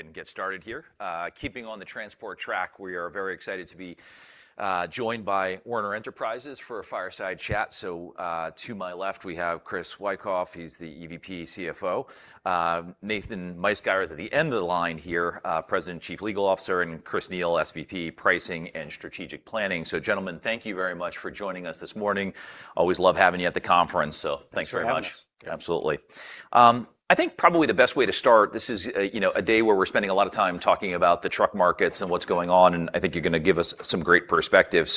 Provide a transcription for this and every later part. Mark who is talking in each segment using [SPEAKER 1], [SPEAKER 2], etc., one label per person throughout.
[SPEAKER 1] Go ahead and get started here. Keeping on the transport track, we are very excited to be joined by Werner Enterprises for a fireside chat. To my left we have Chris D. Wikoff, he's the EVP, CFO. Nathan J. Meisgeier is at the end of the line here, President, Chief Legal Officer, and Chris Neil, SVP, Pricing and Strategic Planning. Gentlemen, thank you very much for joining us this morning. Always love having you at the conference, so thanks very much.
[SPEAKER 2] Thanks for having us.
[SPEAKER 1] Absolutely. I think probably the best way to start, this is a day where we're spending a lot of time talking about the truck markets and what's going on, and I think you're going to give us some great perspective.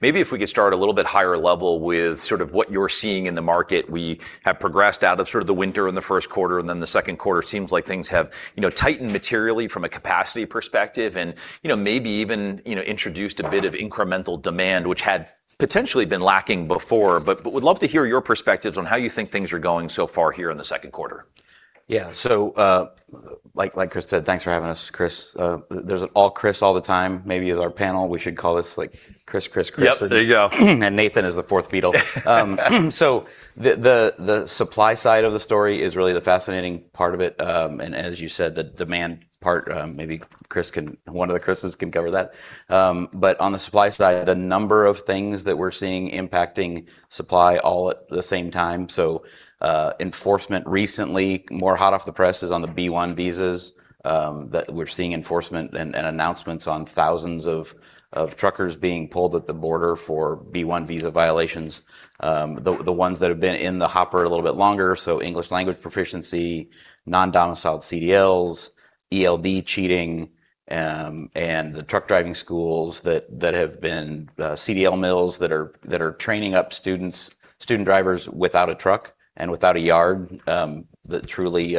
[SPEAKER 1] Maybe if we could start a little bit higher level with sort of what you're seeing in the market. We have progressed out of sort of the winter in the first quarter, and then the second quarter seems like things have tightened materially from a capacity perspective and maybe even introduced a bit of incremental demand, which had potentially been lacking before. Would love to hear your perspectives on how you think things are going so far here in the second quarter.
[SPEAKER 2] Yeah. Like Chris said, thanks for having us, Chris. There's an all Chris all the time maybe is our panel. We should call this like Chris, Chris-
[SPEAKER 1] Yep. There you go
[SPEAKER 2] Nathan is the fourth Beatle. The supply side of the story is really the fascinating part of it. As you said, the demand part, maybe one of the Chris's can cover that. On the supply side, the number of things that we're seeing impacting supply all at the same time. Enforcement recently, more hot off the presses on the B-1 visas, that we're seeing enforcement and announcements on thousands of truckers being pulled at the border for B-1 visa violations. The ones that have been in the hopper a little bit longer, English language proficiency, non-domiciled CDLs, ELD cheating, and the truck driving schools that have been CDL mills that are training up student drivers without a truck and without a yard, that truly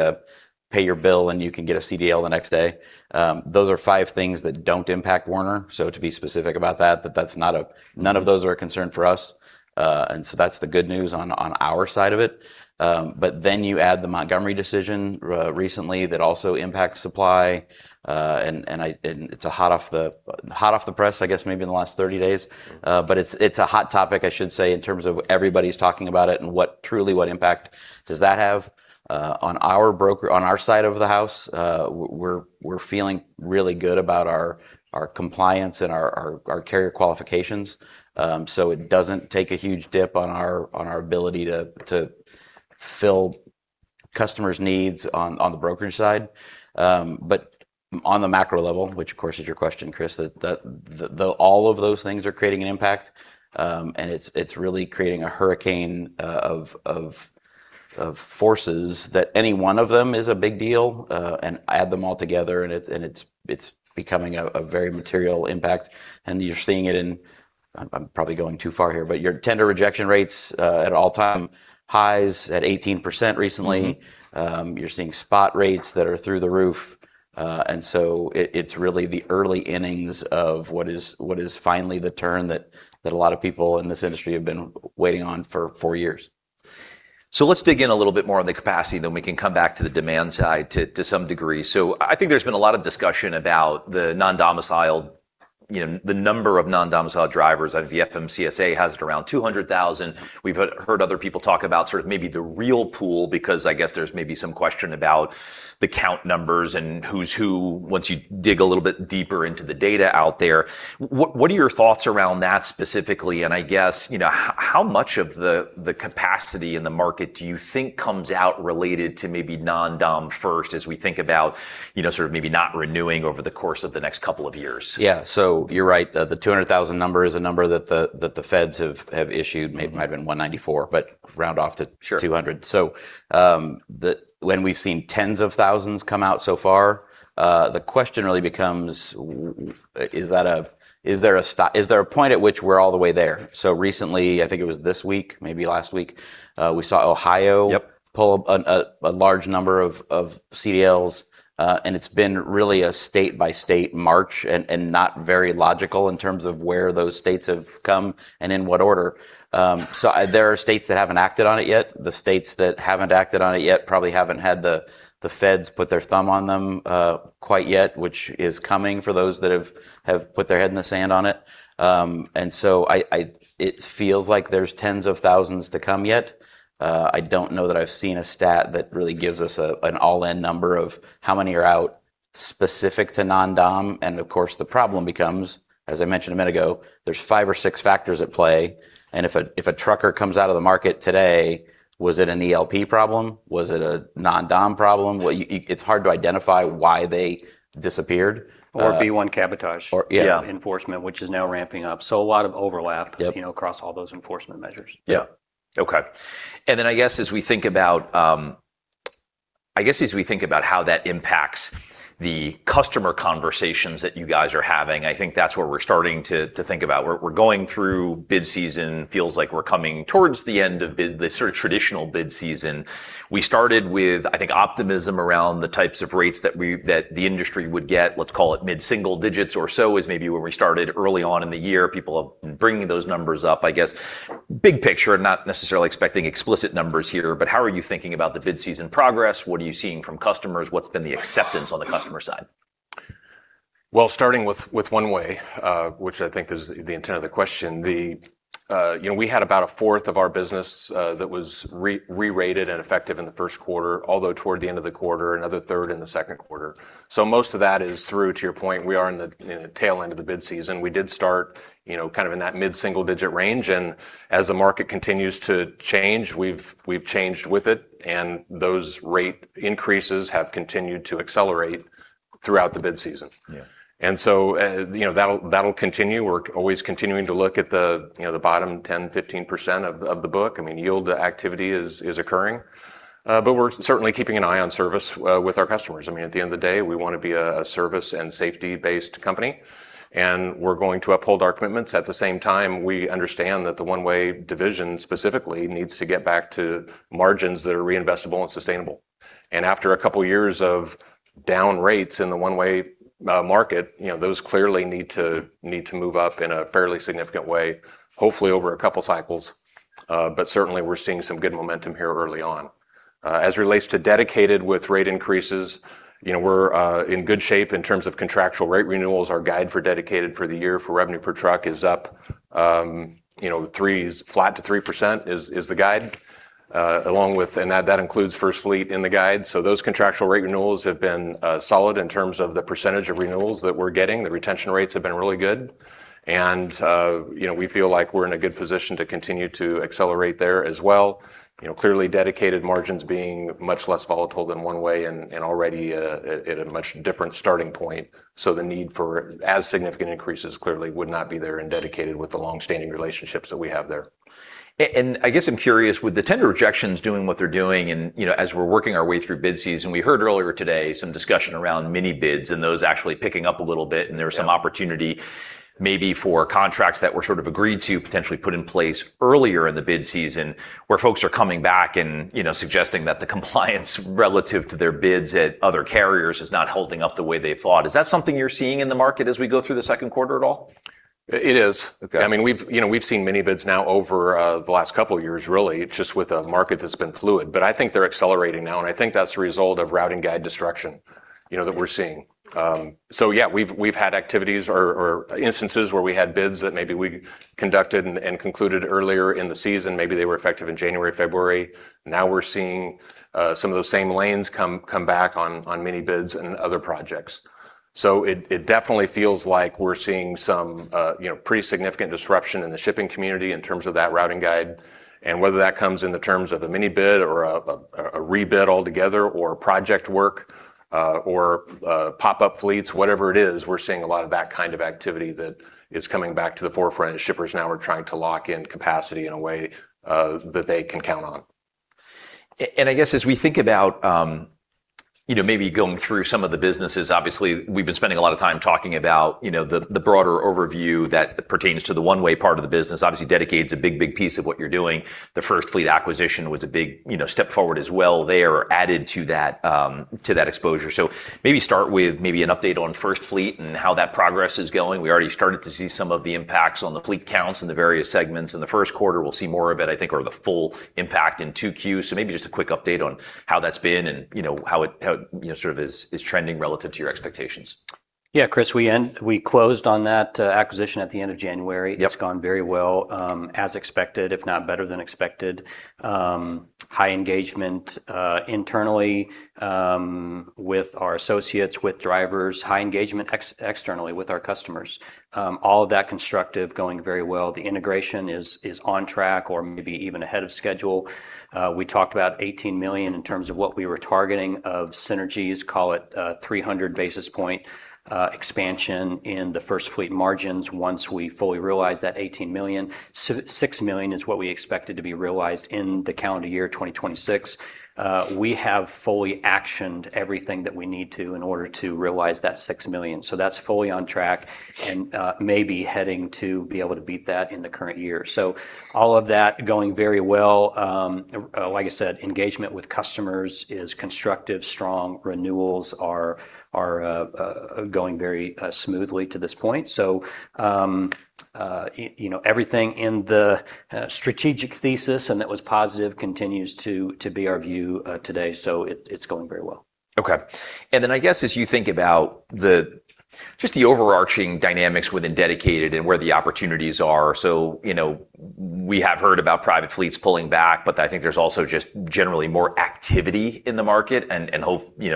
[SPEAKER 2] pay your bill and you can get a CDL the next day. Those are five things that don't impact Werner. To be specific about that, none of those are a concern for us. That's the good news on our side of it. You add the Montgomery decision recently that also impacts supply. It's hot off the press, I guess maybe in the last 30 days. It's a hot topic, I should say, in terms of everybody's talking about it and truly what impact does that have. On our side of the house, we're feeling really good about our compliance and our carrier qualifications. It doesn't take a huge dip on our ability to fill customers' needs on the brokerage side. On the macro level, which of course is your question, Chris, all of those things are creating an impact. It's really creating a hurricane of forces that any one of them is a big deal, add them all together it's becoming a very material impact. You're seeing it in, I'm probably going too far here, your tender rejection rates at all-time highs at 18% recently. You're seeing spot rates that are through the roof. It's really the early innings of what is finally the turn that a lot of people in this industry have been waiting on for four years.
[SPEAKER 1] Let's dig in a little bit more on the capacity, we can come back to the demand side to some degree. I think there's been a lot of discussion about the number of non-domiciled drivers. The FMCSA has it around 200,000. We've heard other people talk about sort of maybe the real pool, because I guess there's maybe some question about the count numbers and who's who, once you dig a little bit deeper into the data out there. What are your thoughts around that specifically? I guess, how much of the capacity in the market do you think comes out related to maybe non-dom first as we think about sort of maybe not renewing over the course of the next couple of years?
[SPEAKER 2] Yeah. You're right. The 200,000 number is a number that the feds have issued. Might have been 194, but.
[SPEAKER 1] Sure
[SPEAKER 2] 200. When we've seen tens of thousands come out so far, the question really becomes: Is there a point at which we're all the way there? Recently, I think it was this week, maybe last week, we saw.
[SPEAKER 1] Yep
[SPEAKER 2] pull a large number of CDLs. It's been really a state-by-state march and not very logical in terms of where those states have come and in what order. There are states that haven't acted on it yet. The states that haven't acted on it yet probably haven't had the feds put their thumb on them quite yet, which is coming for those that have put their head in the sand on it. It feels like there's tens of thousands to come yet. I don't know that I've seen a stat that really gives us an all-in number of how many are out specific to non-dom. Of course, the problem becomes, as I mentioned a minute ago, there's five or six factors at play, and if a trucker comes out of the market today, was it an ELP problem? Was it a non-dom problem? It's hard to identify why they disappeared.
[SPEAKER 1] B-1 cabotage.
[SPEAKER 2] Yeah.
[SPEAKER 1] enforcement, which is now ramping up.
[SPEAKER 2] Yep
[SPEAKER 1] across all those enforcement measures.
[SPEAKER 2] Yeah.
[SPEAKER 1] I guess as we think about how that impacts the customer conversations that you guys are having, I think that's where we're starting to think about. We're going through bid season, feels like we're coming towards the end of the sort of traditional bid season. We started with, I think, optimism around the types of rates that the industry would get, let's call it mid-single-digits or so, is maybe where we started early on in the year. People have been bringing those numbers up, I guess. Big picture, not necessarily expecting explicit numbers here, but how are you thinking about the bid season progress? What are you seeing from customers? What's been the acceptance on the customer side?
[SPEAKER 3] Well, starting with One-Way, which I think is the intent of the question, we had about a fourth of our business that was rerated and effective in the first quarter, although toward the end of the quarter, another third in the second quarter. Most of that is through, to your point, we are in the tail end of the bid season. We did start kind of in that mid-single-digit range, and as the market continues to change, we've changed with it, and those rate increases have continued to accelerate throughout the bid season.
[SPEAKER 1] Yeah.
[SPEAKER 3] That'll continue. We're always continuing to look at the bottom 10%, 15% of the book. I mean, yield activity is occurring. We're certainly keeping an eye on service with our customers. I mean, at the end of the day, we want to be a service and safety-based company, and we're going to uphold our commitments. At the same time, we understand that the One-Way division, specifically, needs to get back to margins that are reinvestable and sustainable. After a couple of years of down rates in the One-Way market, those clearly need to move up in a fairly significant way, hopefully over a couple of cycles. Certainly, we're seeing some good momentum here early on. As it relates to Dedicated with rate increases, we're in good shape in terms of contractual rate renewals. Our guide for Dedicated for the year for revenue per truck is up flat to 3%, is the guide, and that includes FirstFleet in the guide. Those contractual rate renewals have been solid in terms of the percentage of renewals that we're getting. The retention rates have been really good, and we feel like we're in a good position to continue to accelerate there as well. Clearly, Dedicated margins being much less volatile than One-Way, and already at a much different starting point. The need for as significant increases clearly would not be there in dedicated with the longstanding relationships that we have there.
[SPEAKER 1] I guess I'm curious, with the tender rejections doing what they're doing, as we're working our way through bid season, we heard earlier today some discussion around mini-bids and those actually picking up a little bit, and there was some opportunity maybe for contracts that were sort of agreed to potentially put in place earlier in the bid season, where folks are coming back and suggesting that the compliance relative to their bids at other carriers is not holding up the way they thought. Is that something you're seeing in the market as we go through the second quarter at all?
[SPEAKER 3] It is.
[SPEAKER 1] Okay.
[SPEAKER 3] I mean, we've seen mini-bids now over the last couple of years really, just with a market that's been fluid. I think they're accelerating now, and I think that's a result of routing guide destruction that we're seeing. Yeah, we've had activities or instances where we had bids that maybe we conducted and concluded earlier in the season, maybe they were effective in January, February. Now we're seeing some of those same lanes come back on mini-bids and other projects. It definitely feels like we're seeing some pretty significant disruption in the shipping community in terms of that routing guide, and whether that comes in the terms of a mini-bid or a rebid altogether, or project work, or pop-up fleets, whatever it is, we're seeing a lot of that kind of activity that is coming back to the forefront as shippers now are trying to lock in capacity in a way that they can count on.
[SPEAKER 1] I guess as we think about maybe going through some of the businesses. Obviously, we've been spending a lot of time talking about the broader overview that pertains to the One-Way part of the business. Obviously, Dedicated's a big, big piece of what you're doing. The FirstFleet acquisition was a big step forward as well there, added to that exposure. Maybe start with maybe an update on FirstFleet and how that progress is going. We already started to see some of the impacts on the fleet counts in the various segments in the first quarter. We'll see more of it, I think, or the full impact in 2Q. Maybe just a quick update on how that's been and how it sort of is trending relative to your expectations.
[SPEAKER 4] Yeah, Chris, we closed on that acquisition at the end of January.
[SPEAKER 1] Yep.
[SPEAKER 4] It's gone very well, as expected, if not better than expected. High engagement, internally, with our associates, with drivers, high engagement externally with our customers. All of that constructive, going very well. The integration is on track or maybe even ahead of schedule. We talked about $18 million in terms of what we were targeting of synergies, call it a 300 basis point expansion in the FirstFleet margins once we fully realize that $18 million. $6 million is what we expected to be realized in the calendar year 2026. We have fully actioned everything that we need to in order to realize that $6 million. That's fully on track and may be heading to be able to beat that in the current year. All of that going very well. Like I said, engagement with customers is constructive, strong. Renewals are going very smoothly to this point. Everything in the strategic thesis and that was positive continues to be our view today. It's going very well.
[SPEAKER 1] Okay. I guess as you think about just the overarching dynamics within Dedicated and where the opportunities are. We have heard about private fleets pulling back, but I think there's also just generally more activity in the market, and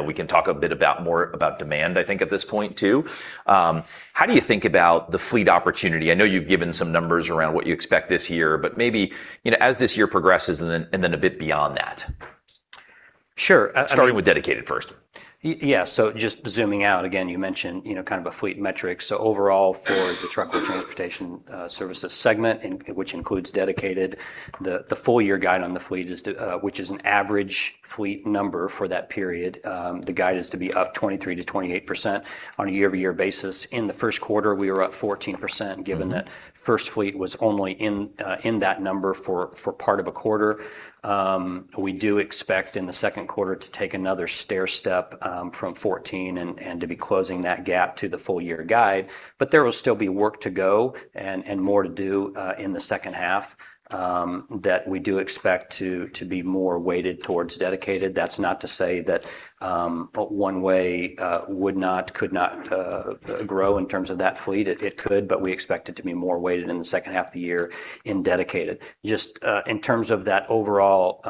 [SPEAKER 1] we can talk a bit more about demand, I think, at this point, too. How do you think about the fleet opportunity? I know you've given some numbers around what you expect this year, but maybe, as this year progresses and then a bit beyond that.
[SPEAKER 4] Sure.
[SPEAKER 1] Starting with Dedicated first.
[SPEAKER 4] Yeah. Just zooming out, again, you mentioned kind of a fleet metric. Overall for the Truckload Transportation Services segment, which includes Dedicated, the full-year guide on the fleet, which is an average fleet number for that period, the guide is to be up 23%-28% on a year-over-year basis. In the first quarter, we were up 14%, given that FirstFleet was only in that number for part of a quarter. We do expect in the second quarter to take another stairstep from 14 and to be closing that gap to the full-year guide. There will still be work to go and more to do in the second half that we do expect to be more weighted towards Dedicated. That's not to say that One-Way could not grow in terms of that fleet. It could. We expect it to be more weighted in the second half of the year in Dedicated. Just in terms of that overall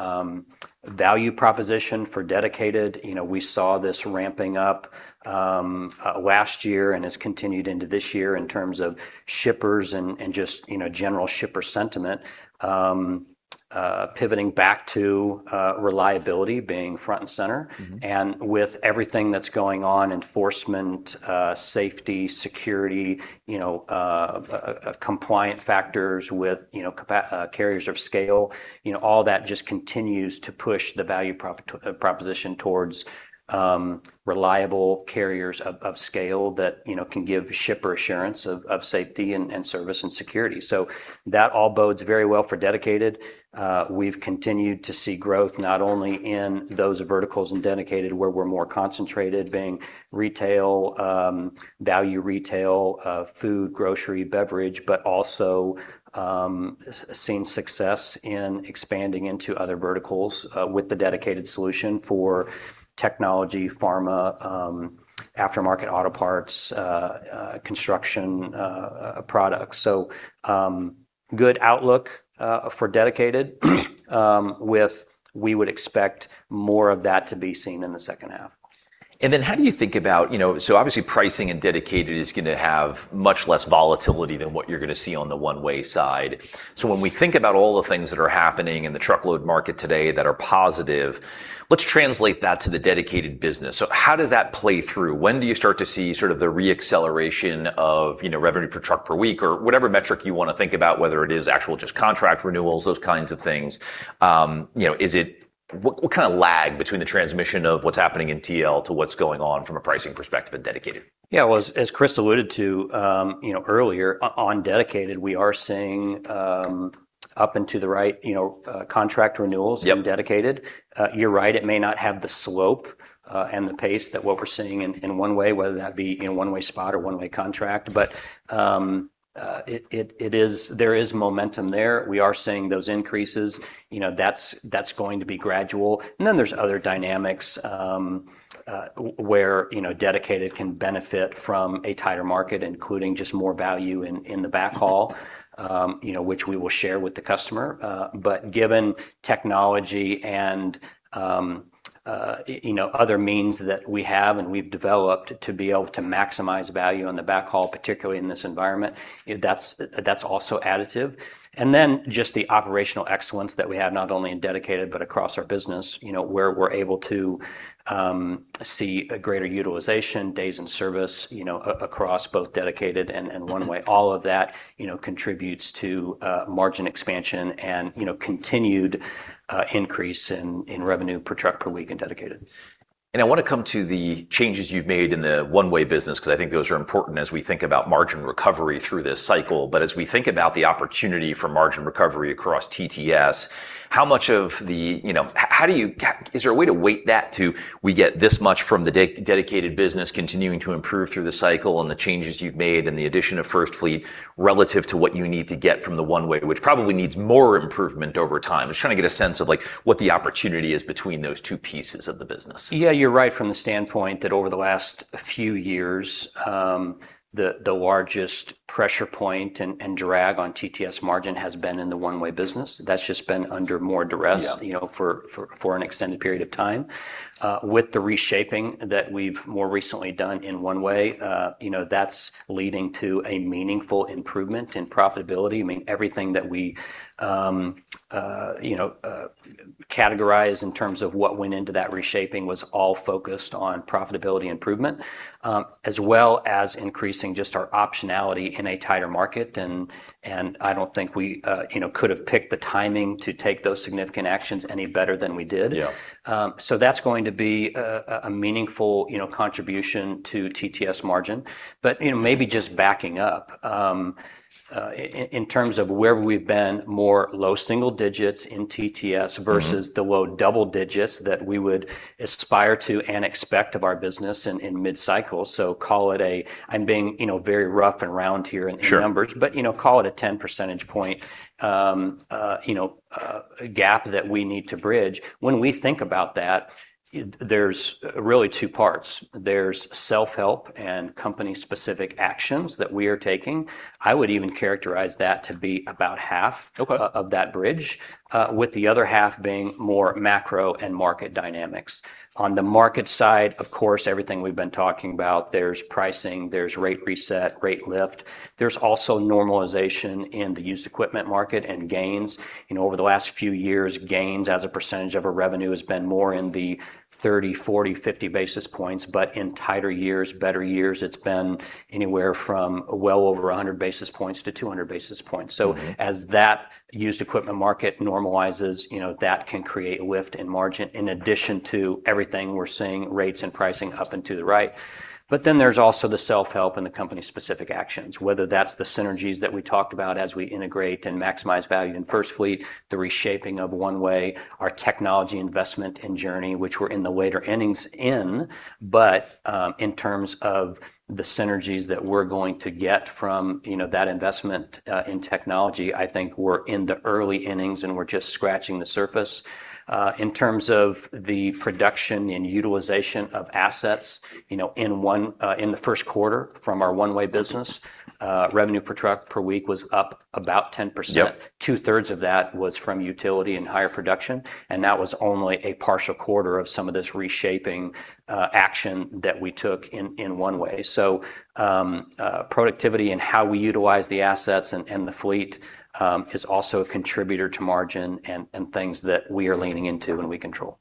[SPEAKER 4] value proposition for Dedicated, we saw this ramping up last year and has continued into this year in terms of shippers and just general shipper sentiment. Pivoting back to reliability being front and center. With everything that's going on, enforcement, safety, security, compliant factors with carriers of scale, all that just continues to push the value proposition towards reliable carriers of scale that can give shipper assurance of safety and service and security. That all bodes very well for Dedicated. We've continued to see growth, not only in those verticals in Dedicated where we're more concentrated, being retail, value retail, food, grocery, beverage, but also seen success in expanding into other verticals with the Dedicated solution for technology, pharma, aftermarket auto parts, construction products. Good outlook for Dedicated, with, we would expect more of that to be seen in the second half.
[SPEAKER 1] How do you think about, obviously pricing in Dedicated is going to have much less volatility than what you're going to see on the One-Way side. When we think about all the things that are happening in the truckload market today that are positive, let's translate that to the Dedicated business. How does that play through? When do you start to see sort of the re-acceleration of revenue per truck per week or whatever metric you want to think about, whether it is actual just contract renewals, those kinds of things. What kind of lag between the transmission of what's happening in TL to what's going on from a pricing perspective in Dedicated?
[SPEAKER 4] Yeah. Well, as Chris alluded to earlier, on Dedicated, we are seeing up and to the right contract renewals.
[SPEAKER 1] Yep
[SPEAKER 4] in Dedicated. You're right, it may not have the slope and the pace that what we're seeing in One-Way, whether that be in One-Way spot or One-Way contract. There is momentum there. We are seeing those increases. That's going to be gradual. There's other dynamics where Dedicated can benefit from a tighter market, including just more value in the backhaul, which we will share with the customer. Given technology and other means that we have and we've developed to be able to maximize value on the backhaul, particularly in this environment, that's also additive. Just the operational excellence that we have, not only in Dedicated but across our business, where we're able to see a greater utilization, days and service, across both Dedicated and One-Way. All of that contributes to margin expansion and continued increase in revenue per truck per week in Dedicated.
[SPEAKER 1] I want to come to the changes you've made in the One-Way business, because I think those are important as we think about margin recovery through this cycle. As we think about the opportunity for margin recovery across TTS, is there a way to weight that to, we get this much from the Dedicated business continuing to improve through the cycle and the changes you've made and the addition of FirstFleet relative to what you need to get from the One-Way, which probably needs more improvement over time? I'm just trying to get a sense of what the opportunity is between those two pieces of the business.
[SPEAKER 4] Yeah, you're right from the standpoint that over the last few years, the largest pressure point and drag on TTS margin has been in the One-Way business. That's just been under more duress.
[SPEAKER 1] Yeah
[SPEAKER 4] for an extended period of time. With the reshaping that we've more recently done in One-Way, that's leading to a meaningful improvement in profitability. Everything that we categorize in terms of what went into that reshaping was all focused on profitability improvement, as well as increasing just our optionality in a tighter market. I don't think we could've picked the timing to take those significant actions any better than we did.
[SPEAKER 1] Yeah.
[SPEAKER 4] That's going to be a meaningful contribution to TTS margin. Maybe just backing up, in terms of where we've been, more low single digits in TTS. Versus the low double digits that we would aspire to and expect of our business in mid-cycle. Call it a, I'm being very rough and round here in numbers.
[SPEAKER 1] Sure
[SPEAKER 4] Call it a 10 percentage point gap that we need to bridge. When we think about that, there's really two parts. There's self-help and company specific actions that we are taking. I would even characterize that to be about half.
[SPEAKER 1] Okay
[SPEAKER 4] of that bridge, with the other half being more macro and market dynamics. On the market side, of course, everything we've been talking about, there's pricing, there's rate reset, rate lift. There's also normalization in the used equipment market and gains. Over the last few years, gains as a percentage of our revenue has been more in the 30, 40, 50 basis points. In tighter years, better years, it's been anywhere from well over 100 basis points to 200 basis points. As that used equipment market normalizes, that can create lift in margin in addition to everything we're seeing, rates and pricing up and to the right. There's also the self-help and the company specific actions, whether that's the synergies that we talked about as we integrate and maximize value in FirstFleet, the reshaping of One-Way, our technology investment and journey, which we're in the later innings in. In terms of the synergies that we're going to get from that investment in technology, I think we're in the early innings, and we're just scratching the surface. In terms of the production and utilization of assets, in the first quarter from our One-Way business, revenue per truck per week was up about 10%.
[SPEAKER 1] Yep.
[SPEAKER 4] Two thirds of that was from utility and higher production, and that was only a partial quarter of some of this reshaping action that we took in One-Way. Productivity and how we utilize the assets and the fleet, is also a contributor to margin and things that we are leaning into and we control.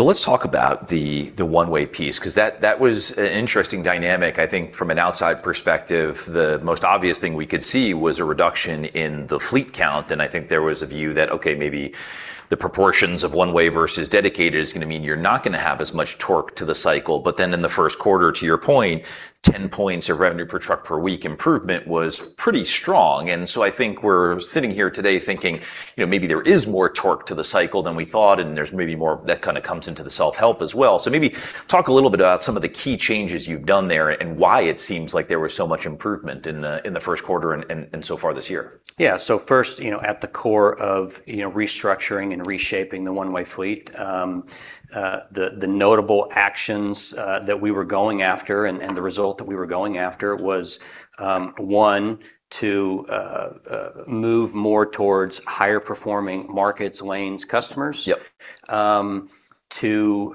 [SPEAKER 1] Let's talk about the One-Way piece, because that was an interesting dynamic. I think from an outside perspective, the most obvious thing we could see was a reduction in the fleet count, and I think there was a view that, okay, maybe the proportions of One-Way versus Dedicated is going to mean you're not going to have as much torque to the cycle. In the first quarter, to your point, 10 points of revenue per truck per week improvement was pretty strong. I think we're sitting here today thinking, maybe there is more torque to the cycle than we thought, and there's maybe more that kind of comes into the self-help as well. Maybe talk a little bit about some of the key changes you've done there and why it seems like there was so much improvement in the first quarter and so far this year.
[SPEAKER 4] Yeah. First, at the core of restructuring and reshaping the One-Way fleet, the notable actions that we were going after and the result that we were going after was, one, to move more towards higher-performing markets, lanes, customers.
[SPEAKER 1] Yep.
[SPEAKER 4] To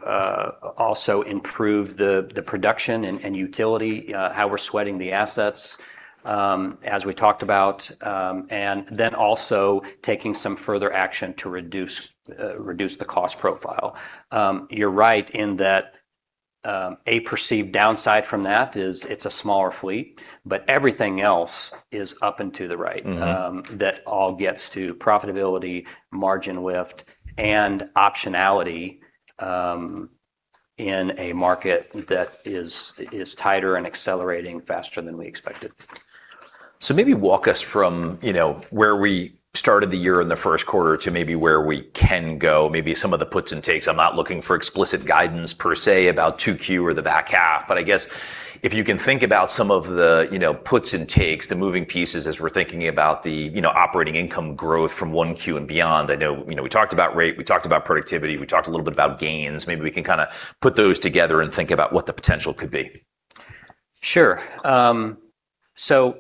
[SPEAKER 4] also improve the production and utility, how we're sweating the assets, as we talked about, also taking some further action to reduce the cost profile. You're right in that a perceived downside from that is it's a smaller fleet, but everything else is up and to the right. That all gets to profitability, margin lift, and optionality in a market that is tighter and accelerating faster than we expected.
[SPEAKER 1] Maybe walk us from where we started the year in the first quarter to maybe where we can go, maybe some of the puts and takes. I'm not looking for explicit guidance per se about 2Q or the back half, but I guess if you can think about some of the puts and takes, the moving pieces, as we're thinking about the operating income growth from 1Q and beyond. I know we talked about rate, we talked about productivity, we talked a little bit about gains. Maybe we can kind of put those together and think about what the potential could be.
[SPEAKER 4] Sure.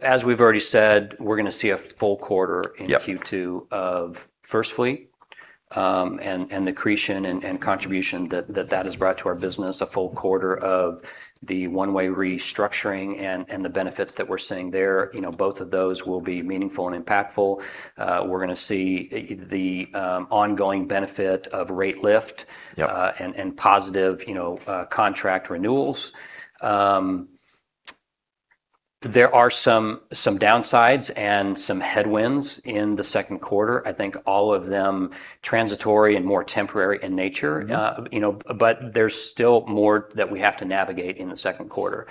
[SPEAKER 4] As we've already said, we're going to see a full quarter.
[SPEAKER 1] Yep
[SPEAKER 4] in Q2 of FirstFleet, and the accretion and contribution that that has brought to our business, a full quarter of the One-Way restructuring and the benefits that we're seeing there. Both of those will be meaningful and impactful. We're going to see the ongoing benefit of rate lift.
[SPEAKER 1] Yep
[SPEAKER 4] Positive contract renewals. There are some downsides and some headwinds in the second quarter, I think all of them transitory and more temporary in nature.
[SPEAKER 1] Yep.
[SPEAKER 4] There's still more that we have to navigate in the second quarter.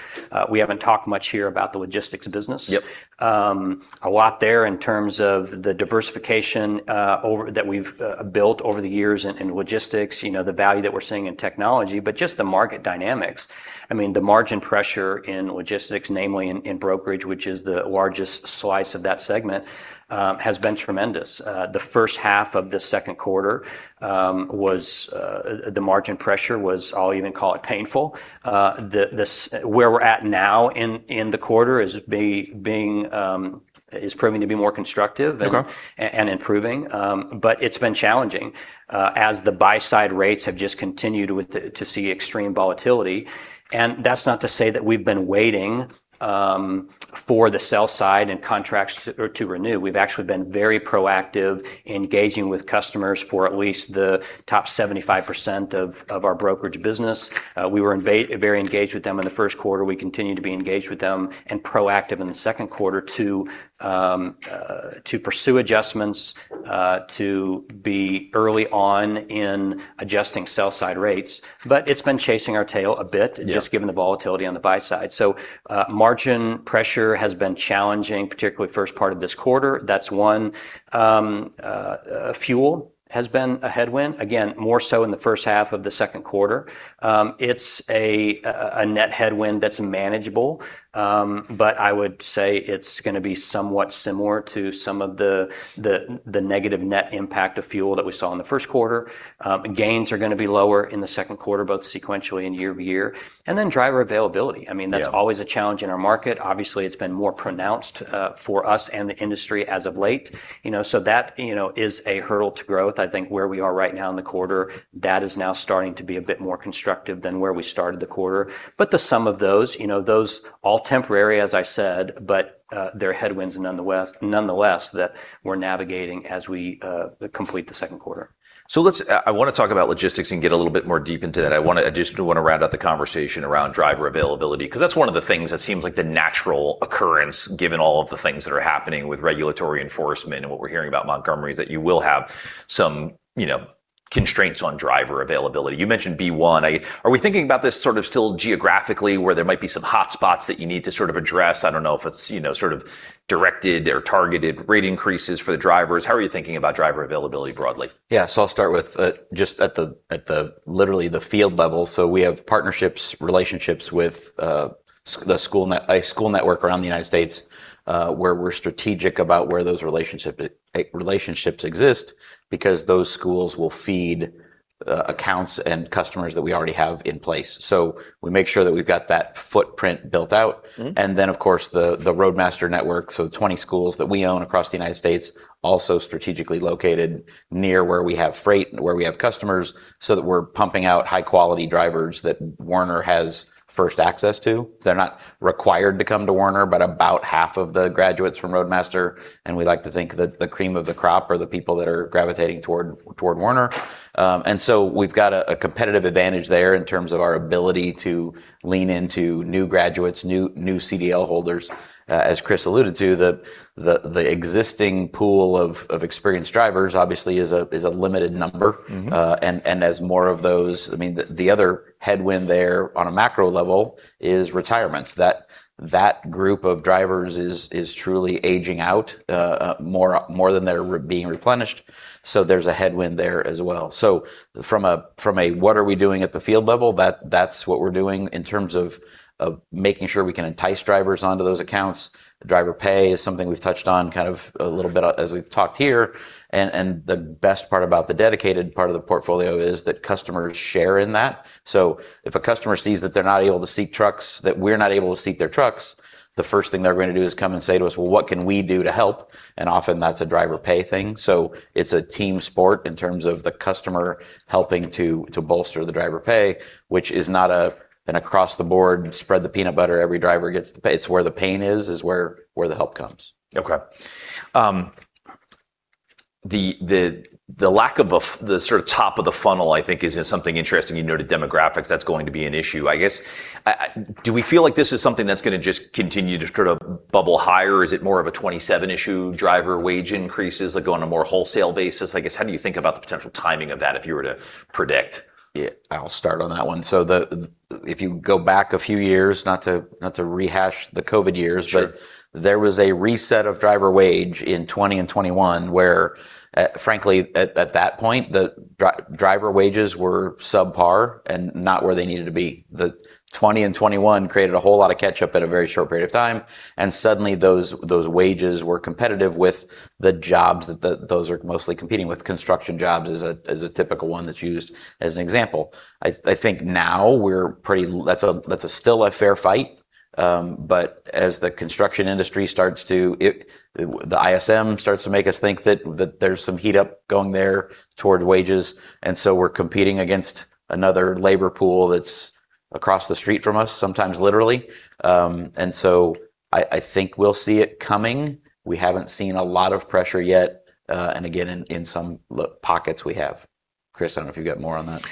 [SPEAKER 4] We haven't talked much here about the logistics business.
[SPEAKER 1] Yep.
[SPEAKER 4] A lot there in terms of the diversification that we've built over the years in logistics, the value that we're seeing in technology, but just the market dynamics. The margin pressure in logistics, namely in brokerage, which is the largest slice of that segment, has been tremendous. The first half of the second quarter, the margin pressure was, I'll even call it painful. Where we're at now in the quarter is proving to be more constructive.
[SPEAKER 1] Okay
[SPEAKER 4] And improving. It's been challenging as the buy-side rates have just continued to see extreme volatility. That's not to say that we've been waiting for the sell side and contracts to renew. We've actually been very proactive in engaging with customers for at least the top 75% of our brokerage business. We were very engaged with them in the first quarter. We continue to be engaged with them and proactive in the second quarter to pursue adjustments, to be early on in adjusting sell side rates. It's been chasing our tail a bit.
[SPEAKER 1] Yeah
[SPEAKER 4] Just given the volatility on the buy side. Margin pressure has been challenging, particularly first part of this quarter. That's one. Fuel has been a headwind, again, more so in the first half of the second quarter. It's a net headwind that's manageable, but I would say it's going to be somewhat similar to some of the negative net impact of fuel that we saw in the first quarter. Gains are going to be lower in the second quarter, both sequentially and year-over-year. Then driver availability.
[SPEAKER 1] Yeah.
[SPEAKER 4] That's always a challenge in our market. Obviously, it's been more pronounced for us and the industry as of late. That is a hurdle to growth. I think where we are right now in the quarter, that is now starting to be a bit more constructive than where we started the quarter. The sum of those, all temporary as I said, but they're headwinds nonetheless that we're navigating as we complete the second quarter.
[SPEAKER 1] I want to talk about logistics and get a little bit more deep into that. I just want to round out the conversation around driver availability, because that's one of the things that seems like the natural occurrence, given all of the things that are happening with regulatory enforcement and what we're hearing about Montgomery, is that you will have some constraints on driver availability. You mentioned B-1. Are we thinking about this sort of still geographically where there might be some hotspots that you need to sort of address? I don't know if it's sort of directed or targeted rate increases for the drivers. How are you thinking about driver availability broadly?
[SPEAKER 2] Yeah. I'll start with just at literally the field level. We have partnerships, relationships with a school network around the U.S., where we're strategic about where those relationships exist because those schools will feed accounts and customers that we already have in place. We make sure that we've got that footprint built out. Of course, the Roadmaster network, 20 schools that we own across the United States, also strategically located near where we have freight and where we have customers, so that we're pumping out high-quality drivers that Werner has first access to. They're not required to come to Werner, but about half of the graduates from Roadmaster, and we like to think that the cream of the crop are the people that are gravitating toward Werner. We've got a competitive advantage there in terms of our ability to lean into new graduates, new CDL holders. As Chris alluded to, the existing pool of experienced drivers obviously is a limited number. As more of those, I mean, the other headwind there on a macro level is retirements. That group of drivers is truly aging out more than they're being replenished. There's a headwind there as well. From a what are we doing at the field level, that's what we're doing in terms of making sure we can entice drivers onto those accounts. Driver pay is something we've touched on kind of a little bit as we've talked here. The best part about the Dedicated part of the portfolio is that customers share in that. If a customer sees that they're not able to seat trucks, that we're not able to seat their trucks, the first thing they're going to do is come and say to us, "Well, what can we do to help?" Often that's a driver pay thing. It's a team sport in terms of the customer helping to bolster the driver pay, which is not an across the board spread the peanut butter, every driver gets the pay. It's where the pain is where the help comes.
[SPEAKER 1] Okay. The lack of the sort of top of the funnel, I think, is something interesting. You know the demographics, that's going to be an issue. I guess, do we feel like this is something that's going to just continue to sort of bubble higher, or is it more of a 27 issue, driver wage increases, like on a more wholesale basis? I guess, how do you think about the potential timing of that if you were to predict?
[SPEAKER 2] Yeah, I'll start on that one. If you go back a few years, not to rehash the COVID years-
[SPEAKER 1] Sure
[SPEAKER 2] There was a reset of driver wage in 2020 and 2021 where, frankly, at that point, the driver wages were subpar and not where they needed to be. The 2020 and 2021 created a whole lot of catch-up at a very short period of time, and suddenly those wages were competitive with the jobs that those are mostly competing with. Construction jobs is a typical one that's used as an example. I think now that's still a fair fight, but as the construction industry starts to, the ISM starts to make us think that there's some heat up going there towards wages, we're competing against another labor pool that's across the street from us, sometimes literally. I think we'll see it coming. We haven't seen a lot of pressure yet. Again, in some pockets we have. Chris, I don't know if you've got more on that.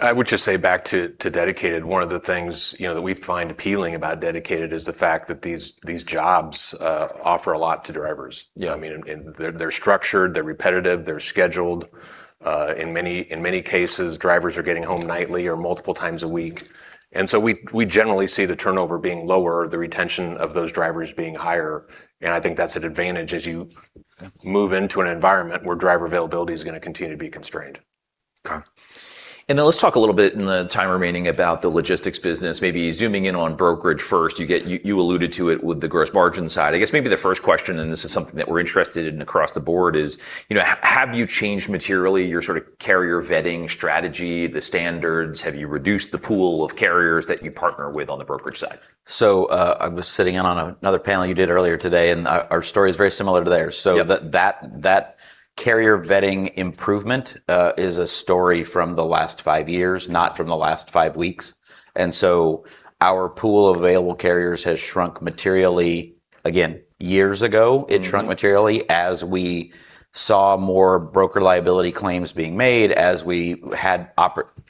[SPEAKER 3] I would just say back to Dedicated, one of the things that we find appealing about Dedicated is the fact that these jobs offer a lot to drivers.
[SPEAKER 2] Yeah.
[SPEAKER 3] I mean, they're structured, they're repetitive, they're scheduled. In many cases, drivers are getting home nightly or multiple times a week. We generally see the turnover being lower, the retention of those drivers being higher, and I think that's an advantage as you move into an environment where driver availability is going to continue to be constrained.
[SPEAKER 2] Okay.
[SPEAKER 1] Let's talk a little bit in the time remaining about the logistics business, maybe zooming in on brokerage first. You alluded to it with the gross margin side. I guess maybe the first question, and this is something that we're interested in across the board, is have you changed materially your sort of carrier vetting strategy, the standards? Have you reduced the pool of carriers that you partner with on the brokerage side?
[SPEAKER 2] I was sitting in on another panel you did earlier today, our story is very similar to theirs.
[SPEAKER 1] Yeah.
[SPEAKER 2] That carrier vetting improvement is a story from the last five years, not from the last five weeks. Our pool of available carriers has shrunk materially. Again, years ago, it shrunk materially as we saw more broker liability claims being made, as we had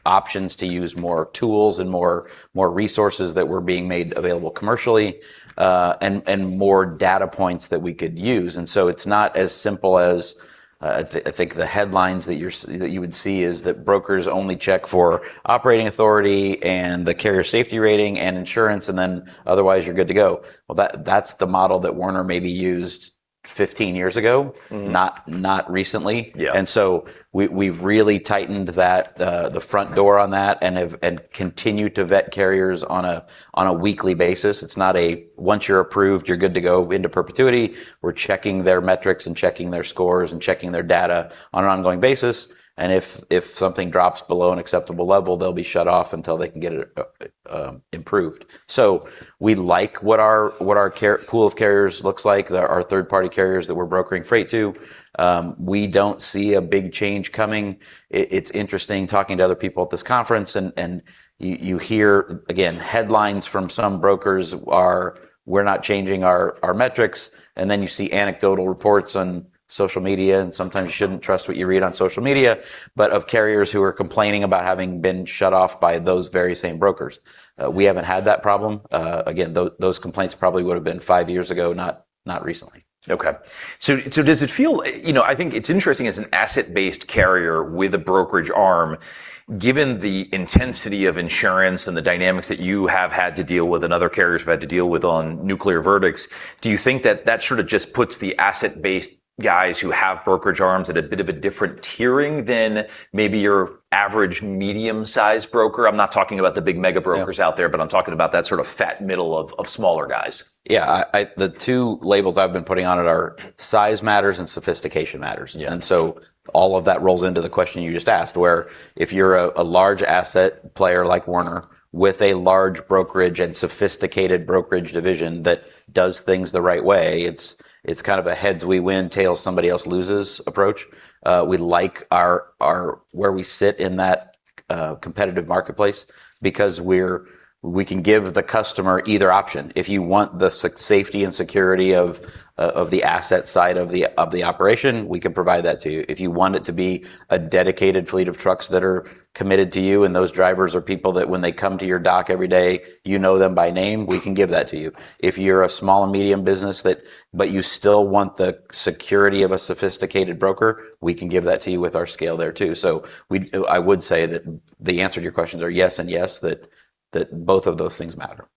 [SPEAKER 2] options to use more tools and more resources that were being made available commercially, more data points that we could use. It's not as simple as, I think the headlines that you would see is that brokers only check for operating authority and the carrier safety rating and insurance, then otherwise you're good to go. Well, that's the model that Werner maybe used 15 years ago. Not recently.
[SPEAKER 1] Yeah.
[SPEAKER 2] We've really tightened the front door on that and continue to vet carriers on a weekly basis. It's not a once you're approved, you're good to go into perpetuity. We're checking their metrics and checking their scores and checking their data on an ongoing basis, and if something drops below an acceptable level, they'll be shut off until they can get it improved. We like what our pool of carriers looks like, our third-party carriers that we're brokering freight to. We don't see a big change coming. It's interesting talking to other people at this conference. You hear, again, headlines from some brokers are, "We're not changing our metrics." Then you see anecdotal reports on social media, and sometimes you shouldn't trust what you read on social media, but of carriers who are complaining about having been shut off by those very same brokers. We haven't had that problem. Again, those complaints probably would've been five years ago, not recently.
[SPEAKER 5] Okay. Does it feel, I think it's interesting as an asset-based carrier with a brokerage arm, given the intensity of insurance and the dynamics that you have had to deal with and other carriers have had to deal with on nuclear verdicts, do you think that that sort of just puts the asset-based guys who have brokerage arms at a bit of a different tiering than maybe your average medium-sized broker? I'm not talking about the big mega brokers out there.
[SPEAKER 2] Yeah
[SPEAKER 5] I'm talking about that sort of fat middle of smaller guys.
[SPEAKER 2] Yeah. The two labels I've been putting on it are size matters and sophistication matters.
[SPEAKER 1] Yeah.
[SPEAKER 2] All of that rolls into the question you just asked, where if you're a large asset player like Werner with a large brokerage and sophisticated brokerage division that does things the right way, it's kind of a heads we win, tails somebody else loses approach. We like where we sit in that a competitive marketplace because we can give the customer either option. If you want the safety and security of the asset side of the operation, we can provide that to you. If you want it to be a Dedicated fleet of trucks that are committed to you and those drivers are people that when they come to your dock every day, you know them by name, we can give that to you. If you're a small and medium business, but you still want the security of a sophisticated broker, we can give that to you with our scale there, too. I would say that the answer to your questions are yes and yes, that both of those things matter.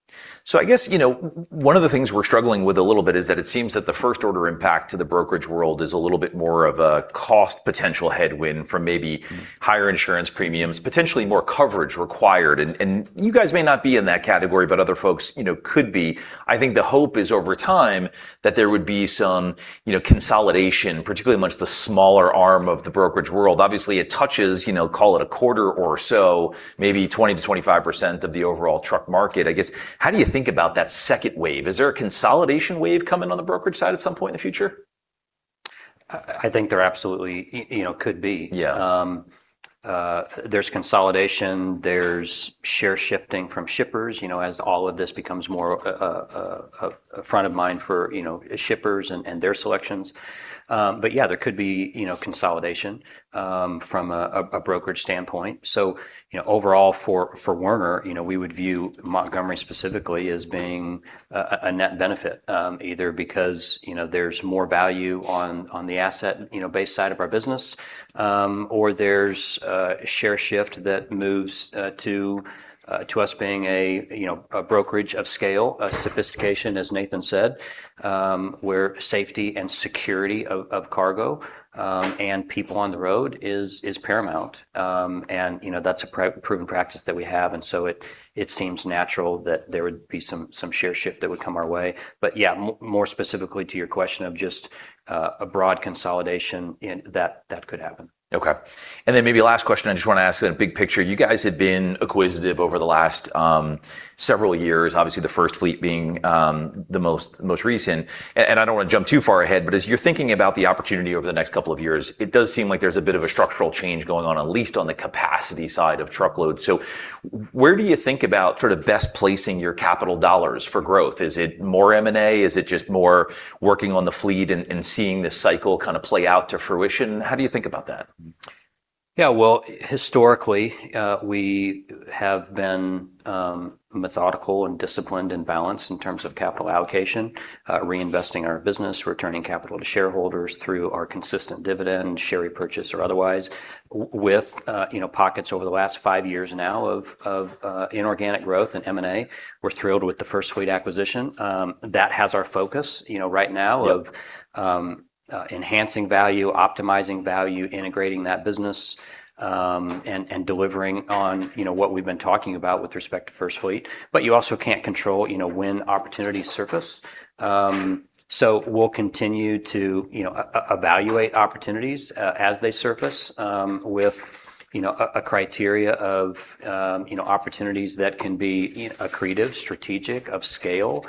[SPEAKER 5] I guess one of the things we're struggling with a little bit is that it seems that the first-order impact to the brokerage world is a little bit more of a cost potential headwind from maybe higher insurance premiums, potentially more coverage required, and you guys may not be in that category, but other folks could be. I think the hope is over time that there would be some consolidation, particularly amongst the smaller arm of the brokerage world. Obviously, it touches, call it a quarter or so, maybe 20%-25% of the overall truck market. I guess, how do you think about that second wave? Is there a consolidation wave coming on the brokerage side at some point in the future?
[SPEAKER 4] I think there absolutely could be.
[SPEAKER 1] Yeah.
[SPEAKER 4] There's consolidation, there's share shifting from shippers, as all of this becomes more of a front of mind for shippers and their selections. Yeah, there could be consolidation from a brokerage standpoint. Overall for Werner, we would view Montgomery specifically as being a net benefit, either because there's more value on the asset-based side of our business, or there's a share shift that moves to us being a brokerage of scale, a sophistication, as Nathan said, where safety and security of cargo and people on the road is paramount. That's a proven practice that we have, and so it seems natural that there would be some share shift that would come our way. Yeah, more specifically to your question of just a broad consolidation, that could happen.
[SPEAKER 5] Okay. Then maybe last question I just want to ask in the big picture, you guys have been acquisitive over the last several years, obviously the FirstFleet being the most recent, I don't want to jump too far ahead, as you're thinking about the opportunity over the next couple of years, it does seem like there's a bit of a structural change going on, at least on the capacity side of truckload. Where do you think about best placing your capital dollars for growth? Is it more M&A? Is it just more working on the fleet and seeing this cycle kind of play out to fruition? How do you think about that?
[SPEAKER 4] Yeah, well, historically, we have been methodical and disciplined and balanced in terms of capital allocation, reinvesting our business, returning capital to shareholders through our consistent dividend, share repurchase or otherwise, with pockets over the last 5 years now of inorganic growth and M&A. We're thrilled with the FirstFleet acquisition. That has our focus right now.
[SPEAKER 1] Yeah
[SPEAKER 4] Of enhancing value, optimizing value, integrating that business, and delivering on what we've been talking about with respect to FirstFleet. You also can't control when opportunities surface. We'll continue to evaluate opportunities as they surface, with a criteria of opportunities that can be accretive, strategic, of scale,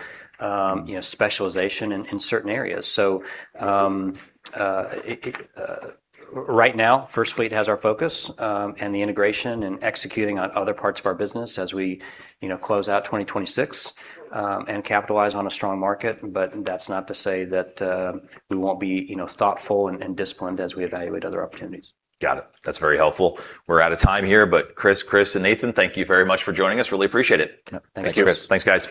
[SPEAKER 4] specialization in certain areas. Right now, FirstFleet has our focus and the integration and executing on other parts of our business as we close out 2026 and capitalize on a strong market. That's not to say that we won't be thoughtful and disciplined as we evaluate other opportunities.
[SPEAKER 1] Got it. That's very helpful. We're out of time here, but Chris, and Nathan, thank you very much for joining us. Really appreciate it.
[SPEAKER 2] Thank you.
[SPEAKER 4] Thanks, guys.
[SPEAKER 1] Thanks, guys.